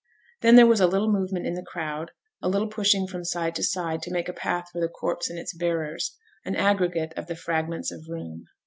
Then there was a little movement in the crowd; a little pushing from side to side, to make a path for the corpse and its bearers an aggregate of the fragments of room.